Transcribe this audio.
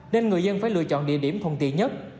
nên người dân phải lựa chọn địa điểm thuận tiện nhất